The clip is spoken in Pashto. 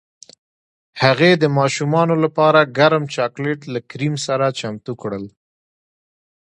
هغې د ماشومانو لپاره ګرم چاکلیټ له کریم سره چمتو کړل